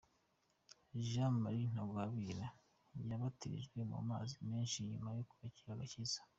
Jean Marie Ntagwabira yabatijwe mu mazi menshi nyuma yo kwakira agakiza.